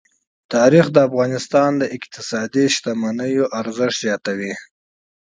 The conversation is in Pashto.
تاریخ د افغانستان د اقتصادي منابعو ارزښت زیاتوي.